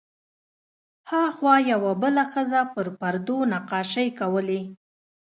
هاخوا یوه بله ښځه پر پردو نقاشۍ کولې.